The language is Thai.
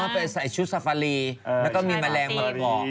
ไปใส่ชุดซาฟารีแล้วก็มีแมลงมาบอก